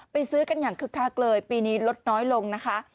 ซื้อกันอย่างคึกคักเลยปีนี้ลดน้อยลงนะคะ